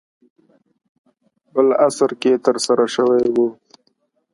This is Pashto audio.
بل عصر کې ترسره شوی و.